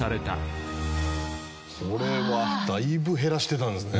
これはだいぶ減らしてたんですね。